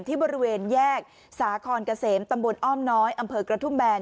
ที่บริเวณแยกสาคอนเกษมตำบลอ้อมน้อยอำเภอกระทุ่มแบน